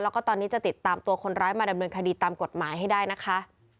แล้วก็ตอนนี้จะติดตามตัวคนร้ายมาดำเนินคดีตามกฎหมายให้ได้นะคะ